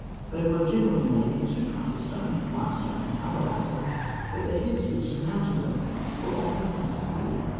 They were generally made in two kinds of stone, limestone and alabaster; but the heads which surmounted them were often of painted wood.